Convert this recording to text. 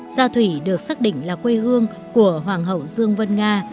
gia thủy được xác định là quê hương của hoàng hậu dương vân nga